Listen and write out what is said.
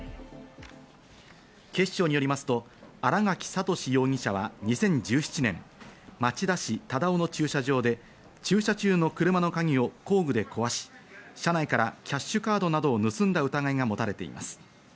警視庁によりますと新垣聡容疑者は２０１７年、町田市忠生の駐車場で駐車中の車の鍵を工具で壊し、車内からキャッシュカードなどを盗んだ疑いが持たれています。